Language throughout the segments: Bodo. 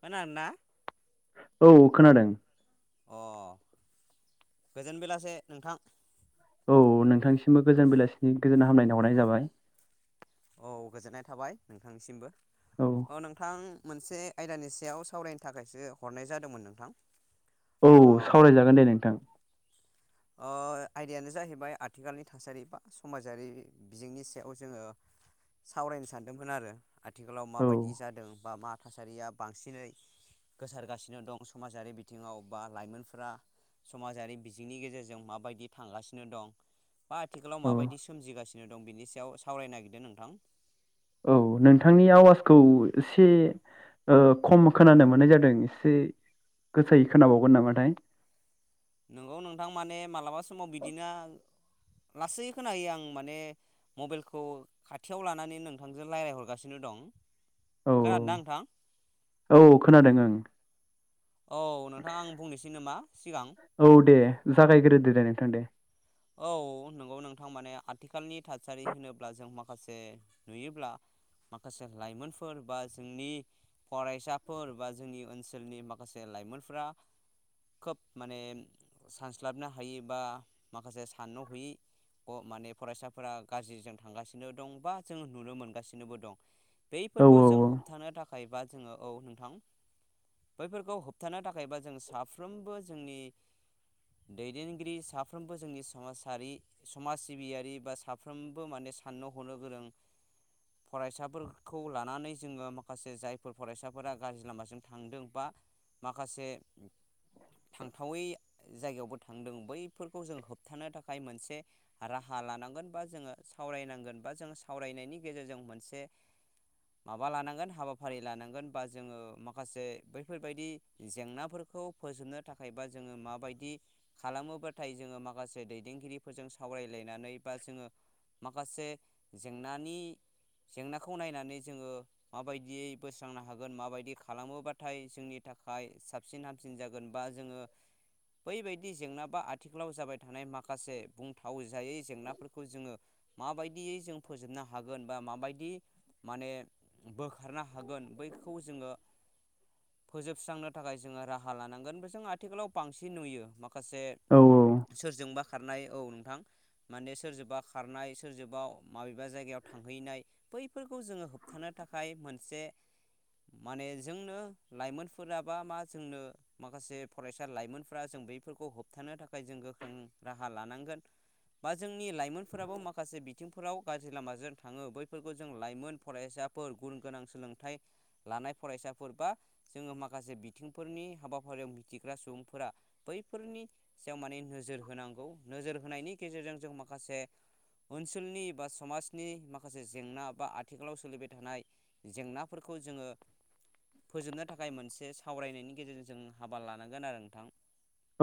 खोनादों ना औ खोनादों अ गोजोन बेलासे नोंथां औ नोंथांसिमबो गोजान बेलासिनि गोजोन हामलायना हरनाय जाबाय औ गोजोननाय थाबाय नोंथांनिसिमबो औ अ नोंथां मोनसे आयदानि सायाव सावरायनो थाखायसो हरनाय जादोंमोन नोंथां औ अ सावरायजागोन दे नोंथां आयदायानो जाहैबाय आथिखालनि थासारि बा समाजारि बिजोंनि सायाव जोङो सावरायनो सानदोंमोन आरो आथिखालाव औ माबायदि जादों बा मा थासारिया बांसिनै गोसारगासिनो दं समाजारि बिथिङाव बा लाइमोनफोरा समाजारि बिजोंंनि गेजेरजों जों माबायदि थांगासिनो दं बा आथिखालाव औ माबायदि सोमजिगासिनो दं बिनि सायाव सावरायनो नागिरदों नोंथां औ नोंथांनि आवाज खौ एसे खम खोनानो मोननाय जादों एसे गोसोयै खोनाबावगोन नामाथाय नोंगौ नोंथां माने मालाबा समाव बिदिनो लासै खोनायो आं माने मबाइलखौ खाथियाव लानानै नोंथांजों रायज्लाय हरगासिनो दं औ खोनादोंना नोंथां औ खोनादों ओं औ नोंथाङा आं बुंनोसै नामा सिगां औ दे जागायग्रोदो दे दे औ नंगौ नोंथां माने आथिखालनि थासारि होनोब्ला जों माखासे नुयोब्ला माखासे लाइमोनफोर बा जोंनि फरायसाफोर बा जोंनि ओनसोलनि माखासे लाइमोनफ्रा खोब माने सानस्लाबनो हायो बा माखासे साननो हयै माने फरायसाफोरा गाज्रिजों थांगासिनो दं बा जों नुनो मोनगासिनोबो दं। औ बैफोरखौ औ जों होबथानो थाखाय बा जोङो औ नोंथां बैफोरखौ होबथानो थाखायबा जों साफ्रोमबो जोंनि दैदेनगिरि सा- फ्रोमबो जोंनि समाजारि समाज सिबियारि बा साफ्रोमबो माने साननो हनो गोरों फरायसाफोरखौ लानानै जोङो माखासे जायफोर फरायसाफोरा गाज्रि लामासिम थांदों बा माखासे थांथावै जायगायावबो थांदों बै फोरखौ जों होबथानो थाखाय मोनसे राहा लानांगोन बा जोङो सावरायनांगोन बा जोङो सावराय नायनि गेजेरजों मोनसे माबा लानांगोन हाबाफारि लानांगोन बा जोङो माखासे बैफोरबायदि जेंनाफोरखौ खौ फोजोबनो थाखाय बा जोङो माबायदि खालामोबा नाथाय जोङो माखासे दैदेनगिरिफोरजों सावरायलायनानै बा जोङो माखासे जेंनानि जेंनाखौ नायनानै जोङो माबायदियै बोस्रांनो हागोन माबायदि खालामोबाथाय जोंनि नि थाखाय साबसिन हामसिन जागोन बा जोङो बैबायदि जेंना बा आथिखालाव जाबाय थानाय मा खासे बुंथाव जायै जेंनाफोरखौ जोङो माबायदियै जों फोजोबनो हागोन बा माबायदि दि माने बोखारनो हागोन बैखौ जोङो फोजोबस्रांनो थाखाय जोङो राहा लानांगोन बे जों आथिखालाव बांसिन नुयो माखासे औ सोरजोंबा खारनाय औ नोंथां माने सोरजोंबा खारनाय सोरजोंबा माबेबा जायगायाव थांहैनाय बैफोरखौ जोङो होबथानो थाखाय मोनसे माने जोंनो लाइमोनफोरााबा मा जोंनो माखासे फरायसा लाइमोनफोरा जों बैफोरखौ होब थानो थाखाय जों गोख्रों राहा लानांगोन बा जोंनि लाइमोनफोराबो माखासे बिथिं फोराव गाज्रि लामाजों थाङो बैफोरखौ जों लाइमोन फरायसाफोर गुन गोनां सोलोंथाइ लानाय फरायसाफोर बा जोङो माखासे बिथिंफोरनि हाबाफारियाव मिथिग्रा सुबुंफोरा बैफोरनि याव माने नोजोर होनांगौ नोजोर होनायनि गेजेरजों जों माखासे ओनसोलनि बा समाजनि माखासे जेंना बा आथिखालाव सोलिबाय थानाय जेंनाफोरखौ खौ जोङो फोजोबनो थाखाय मोनसे सावरायनायनि गेजेरजों जों हाबा लानांगोन आरो नोंथां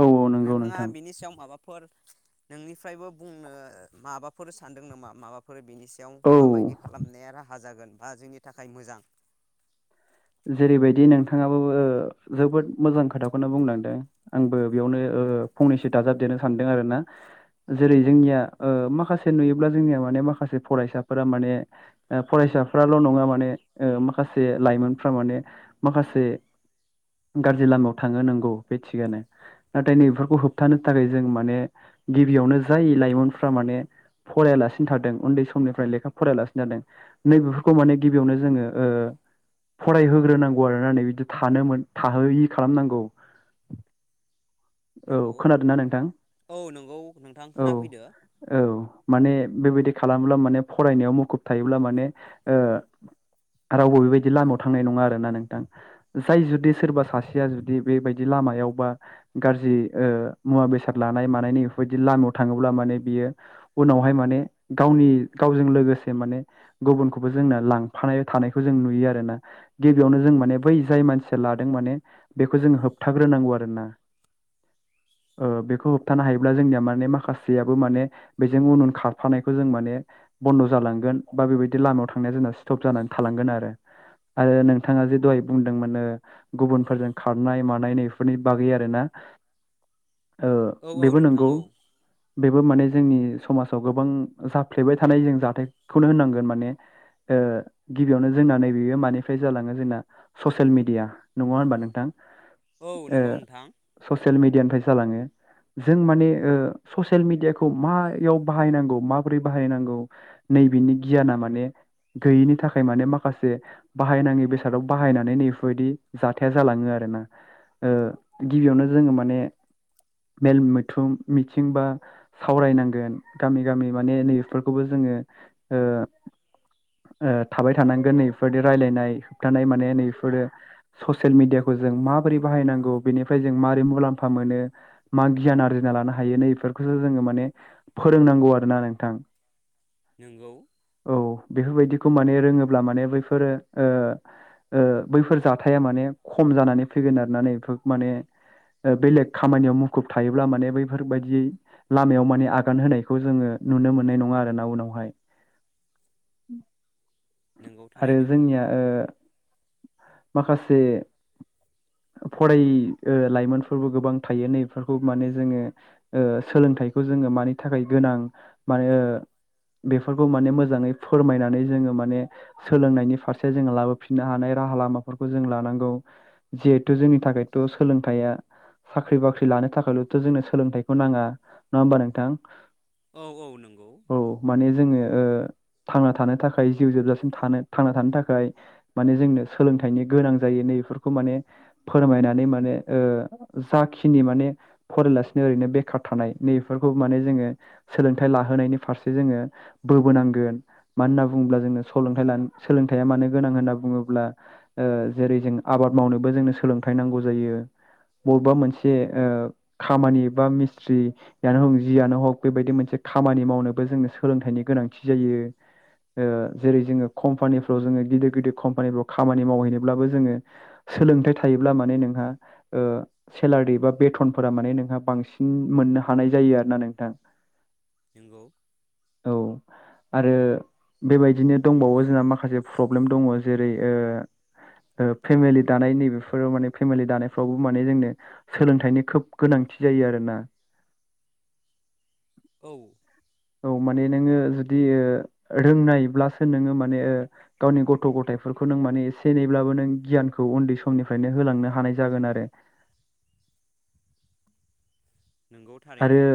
औ औ नंगौ नोंथाङा नोंथां बिनि सायाव माबाफोर नोंनिफ्रायबो बुंनो माबाफोर सानदों नामा माबाफोर बेनि सायाव औ माबायदि खालामनाया राहा जागोन बा जोंनि थाखाय मोजां जेरैबायदि नोंथाङाबो जोबोद मोजां खोथाखौनो बुंलांदों आंबो बेयावनो ओ फंनैसो दाजाबदेरनो सानदों आरो ना जेरै जोंनिया ओ माखासे नुयोब्ला जोंनिया माने माखासे फरायसाफोरा माने फरायसा साफ्राल' नङा माने माखासे लाइमोनफ्रा माने माखासे गाज्रि लामायाव थांनो नांगौ बे थिगानो नाथाय नैबफोरखौ होबथानो थाखाय जों माने गिबियावनो जाय लाइमोनफ्रा माने फरायालासिनो थादों उन्दै समनिफ्राय लेखा फरायलासिनो थादों नैबेफोरखौ माने गिबियावनो जोङो ओ फरायहोग्रोनांगौ आरो ना नै बिदि थानो थाहोयि खालामनांगौ औ नंगौ खोनादों ना नोंथां? औ नंगौ नोंथां औ खोनाफैदो औ माने बेबायदि खालामोब्ला माने फरायनायाव मुखुब थायोब्ला माने ओ आरो बबेबादि [unintelligible] थांनाय नङा आरोना नोंथां जाय जुदि सोरबा सासेया जुदि बेबायदि लामायावबा गा रजि मुवा बेसाद लानाय मानायनि बेफोरबायदि लामायाव थाङोब्ला माने बियो उनावहाय माने गावनि गावजों लोगोसे माने गुबुनखौबो जोंना लांफानाय थानायखौ जों नुयो आरोना गिबियावनो जों माने बै जाय मानसिया लादों माने बेखौ जों होबथाग्रोनांगौ आरोना [inaudible] ओ बेखौ होबथानो हायोब्ला जोंनिया माने माखासेयाबो माने बेजों उन उन खारफानायखौ जों माने बन्द' जालांगोन बा बेबायदि लामायाव थांनाया जोंना स्टप जानानै थालांगोन आरो आरो नोंथाङा जे दहाय बुंदोंमोन नो गुबुनफोरजों खारनाय मानाय नैफोरनि बागै आरो ना [inaudible] ओ औ बेबो नोंथां नंगौ औ बेबो माने जोंनि समाजाव गोबां जाफ्लेबाय थानाय जों जाथायखौनो होननांगोन माने ओ गिबियावनो जोंना नैबेयो माने फ्राय जालाङो जोंना ससियेल मिडिया नङा होनबा नोंथां? औ नंगौ नोंथां मिडियानिफ्राय जालाङो जों माने ससियेल मिडियाखौ मायाव बाहायनांगौ माबोरै बाहायनांगौ नैबिनि गियाना माने गैयिनि थाखाय माने माखासे बाहायनाङि बेसादाव बाहायनानै नैफोरबायदि जाथाया जालाङो आरोना ओ गिबियावनो जोङो माने मेल मैथुम मिथिं बा सावरायनांगोन गामि गामि माने नैफोरखौबो जों ङो ओ ओ थाबाय थानांगोन नैफोर बादिया रायलायनाय होबथानाय माने नैफोर बादिया ससियेल मिडियाखौ जों माबोरै बाहायनांगौ बेनिफ्राय जों मारै मुलाम्फा मोनो मा गियान आरजिना लानो हायो नैफोरखौसो जोङो माने फोरोंनांगौ आरो। ना नोंथां नोंगौ औ बेफोरबायदिखौ माने रोङोब्ला माने बैफोरो ओ बैफोर जाथाया माने खम जानानै फैगोन आरो ना नै बेफोर माने बेलेग खामानियाव मुखुब थायोब्ला माने बैफोर बायदि लामायाव माने आगान होनायखौ जोङो। नुनो मोननाय नङा आरो ना उनावहाय [inaudible] [inaudible] नोंगौ आरो थारैनो जोंनिया ओ माखासे [inaudible] फरायि ओ लाइमोनफोरबो गोबां थायो नैफोरखौ माने जोङो ओ सोलोंथाइखौ जो ङो मानि थाखाय गोनां माने बेफोरखौ माने मोजाङै फोरमायनानै जोङो माने सोलोंनायनि फारसे जोङो लाबोफिननो हानाय राहा लामाफोरखौ जों लानांगौ जिहेथु जोंनि थाखायथ' सोलोंथाइया साख्रि बाख्रि लानो थाखायल'थ' जोंनो सोलोंथाइखौ नाङा नङा होमबा नोंथां औ औ नंगौ औ माने जोङो ओ थांना थानो थाखाय जिउ जोबजासिम थानो थांना थानो थाखाय माने जोंनो सोलोंथनि गोनां जायो नैफोरखौ माने फोरमायनानै माने ओ जाखिनि माने फरायालासिनो ओरैनो बेखार थानाय नैफोरखौ माने जोङो सोलोंथाइ लाहोनायनि फारसे जोङो बोबोनांगोन मानो होनना बुङोब्ला जोङो सोलोंथाइ लानो सोलोंथाइया मानो गोनां होनना बुङोब्ला ओ जेरै जों आबाद मावनोबो जोंनो सोलोंथाइ नांगौ जायो। बबेबा मोनसे ओ खामानि बा मिस्थ्रियानो हग जियानो हग बेबायदि मोनसे खामानि मावनोबो जोङो सोलोंथाइनि गोनांथि जायो ओ जेरै जोङो कम्पानिफ्राव जोङो गिदिर गिदिर कम्पानिफ्राव खामानि मावहैनोब्लाबो जोङो सोलोंथाइ थायोब्ला माने नों हा ओ सेलारि बा बेथनफोरा माने नोंहा बांसिन मोननो हानाय जायो आरो ना नोंथां नंगौ औ आरो बेबायदिनो दंबावो। जोंहा माखासे प्रब्लेम दङ जेरै ओ ओ फेमिलि दानाय नैबेफोराव माने फेमिलि दानायफ्रावबो माने जोंनो सोलोंथाइनि खोब गोनां मिथि जायो आरो ना औ औ माने नोङो जुदि रोंनायब्लासो नोङो मा माने गावनि गथ' गथायफोरखौ नों माने एसे एनैब्लाबो नों गियानखौ उन्दै समनिफ्रायनो होलांनो हानाय नाय जागोन आरो नंगौ आरो थारैनो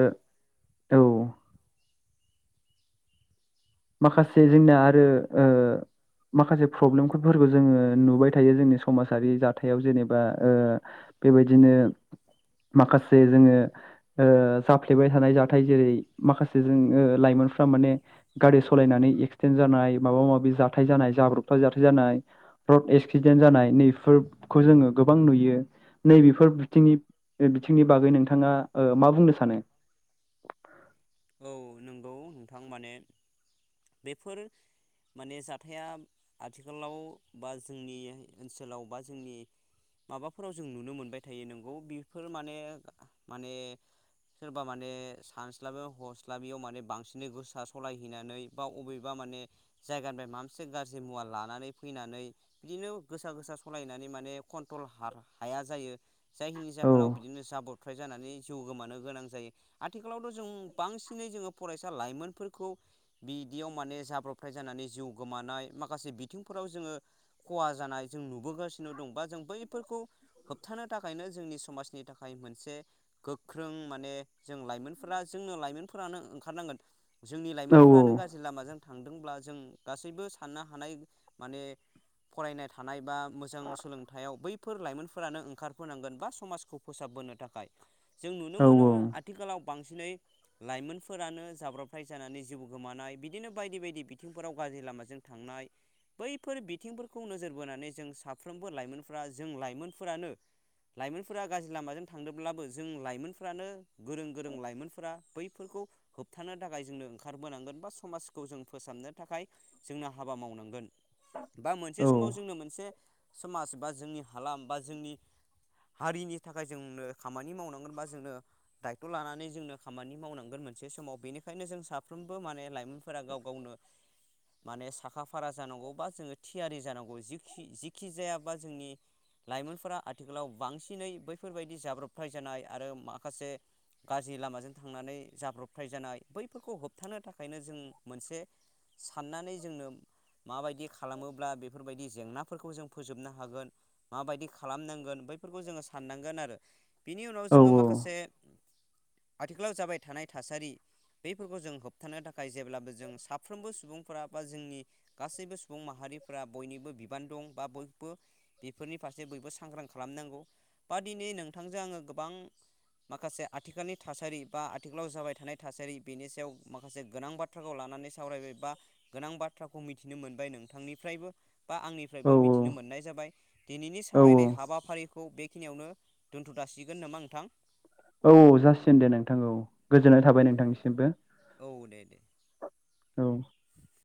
औ माखासे जोंनाया आरो ओ माखासे प्रब्लेमफोरखौ जोङो नुबाय थायो जोंनि समाजारि जाथायाव जेनेबा ओ बेबायदिनो माखासे जोङो ओ जाफ्लेबाय थानाय जाथाय जेरै माखासे जोङो ओ लाइमोन फ्रा माने गारि सलायनानै एक्सिडेन्ट जानाय माबा माबि जाथाय जानाय जाब्रबथा जाथाय जानाय रड एक्सिडेन्ट जानाय नैफोरखौ जोङो गोबां नुयो नैबेफोर बिथिं बिथिंनि बागै नोंथाङा मा बुंनो सानो। औ नंगौ नोंथां माने बेफोर माने जाथाया आथिखालाव बा जोंनि ओनसोलाव बा जोंनि माबाफोराव जों नुनो मोनबाय थायो नोंगौ बेफोर माने माने सोरबा माने सानस्लाबो हस्लाबियाव माने बांसिनै गोसा सलायहैनानै बा बबेबा माने जायगानिफ्राय मा मोनसे गाज्रि मुवा लानानै फैनानै बिदिनो गोसा गोसा सलायनानै माने कन्ट्रल हाया जायो। जायखिनि औ जाहोनाव बिदिनो जाब्रथ्राय जानानै जिउ गोमानो गोनां जायो आथिखालावथ' जों बांसिनै जोङो फरायसा लाइमोनफोरखौ बिदियाव माने जाब्रबथाय जानानै जिउ गोमानाय माखासे बिथिंफोराव जोङो खहा जानाय जों नुुबो बोगासिनो दं बा जों बैफोरखौ होबथानो थाखायनो जोंनि समाज थाखाय मोनसे गोख्रों माने जों लाइमोन जोंनो लाइमोनफोरानो ओंखारनांगोन जोंनि औ लाइमोनफ्रानो गाज्रि लामाजों थांदोंब्ला जों गासैबो साननो हानाय माने फरायनाय थानाय बा मोजां सोलोंथायाइयाव बैफोर लाइमोनफोरानो ओंखारबोनांगोन बा समाजखौ फोसाबबोनो थाखाय जों नुनो औ मोनो आथिखालाव बांसिनै लाइमोनफोरानो जाब्रबथाय जानानै जिउ गोमानाय बिदिनो बायदि बायदि बिथिंफोराव गाज्रि लामाजों थांनाय बैफोर बिथिंफोरखौ नोजोर बोनानै जों साफ्रोमबो लाइमोनफोरा जों लाइमोनफोरानो लाइमोनफोरा गाज्रि लामाजों थांदोंब्लाबो जों लाइमोनफ्रानो गोरों गोरों लाइमोनफोरा बैफोरखौ होबथानो थाखाय जोंनो ओंखारबोनांगोन बा समाजखौ जों फोसाबनो थाखाय जोंना हाबा मावनांगोन। बा मोनसे औ समाव जोंनो मोनसे समाज बा जोंनि हालाम बा जोंनि हारिनि थाखाय जोंनो खामानि मावनांगोन बा जोंनो दायथ' लानानै जोंनो खामानि मावनांगोन मोनसे समाव बेनिखायनो जों साफ्रोमबो माने लाइमोनफोरा गाव गावनो माने साखा फा भारा जानांगौ बा जोङो थियारि जानांगौ जिखि जखि जायाबा जोंनि लाइमोनफोरा आथिखालाव बांसिनै बैफोरबायदि जाब्रबथाय जानाय आरो माखासे गाज्रि लामाजों थांनानै जाब्रबथाय जानाय बैफोरखौ होबथानो थाखाय बेंखायनो जों मोनसे साननानै जोंनो माबायदि खालामोब्ला बेफोरबायदि जेंनाफोरखौ जों फोजोबनो हागोन माबायदि खालामनांगोन बैफोरखौ जोङो साननांगोन आरो बिनि उनाव औ जोङो माखासे आथिखालाव जाबाय थानाय थासारि बेफोरखौ जों होबथानो थाख थाखाय जेब्लाबो जों साफ्रोमबो सुबुंफोरा बा जोंनि गासैबो सु सुबुं माहारिफ्रा बयनिबो बिबान दं बा बयबो बेफोरनि फारसे बयबो सांग्रां खालामनांगौ बा दिनै नोंथांजों आङो गोबां माखासे आथिखालनि। थासारि बा आथिखालाव जाबाय थानाय थासारि बेनि सायाव माखासे गोनां बाथ्राखौ लानानै सावरायबाय बा। गोनां बाथ्राखौ मिथिनो मोनबाय नोंथांनिफ्रायबो। बा औ आंनिफ्रायबो मिथिनो मोननाय जाबाय दिनैनि औ सावरायनाय हाबाफारिख खौ बेखिनियावनो दोनथ' दासिगोन नामा नोंथां। औ जासिगोन दे नोंथां औ। गोजोननाय थाबाय नोंथांनिसिमबो औ दे दे औ।